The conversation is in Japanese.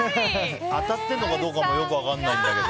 当たってるのかどうかもよく分かんないんだけど。